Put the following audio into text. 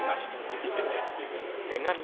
言ってみて。